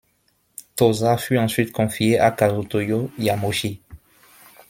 Tosa fut ensuite confiée à Kazutoyo Yamauchi.